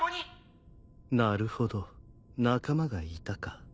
なるほど仲間がいたか。